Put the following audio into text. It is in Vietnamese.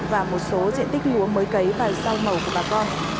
và một số diện tích lúa mới cấy vài sao màu của bà con